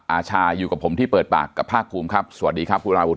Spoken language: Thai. อาชาอยู่กับผมที่เปิดปากกับภาคภูมิครับสวัสดีครับคุณราวุฒ